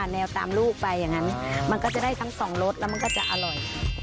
แนวตามลูกไปอย่างนั้นมันก็จะได้ทั้งสองรสแล้วมันก็จะอร่อย